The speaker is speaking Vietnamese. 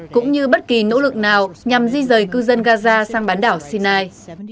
cũng như bất kỳ nỗ lực nào nhằm di rời cư dân gaza sang bán đảo sinai